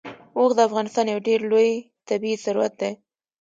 اوښ د افغانستان یو ډېر لوی طبعي ثروت دی.